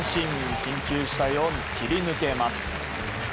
緊急事態を切り抜けます。